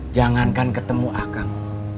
jangankan ketemu akang